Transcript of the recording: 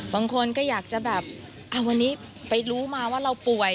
บางคนก็อยากจะแบบวันนี้ไปรู้มาว่าเราป่วย